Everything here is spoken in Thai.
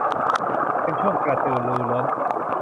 เป็นช่วงกระตือรือร้น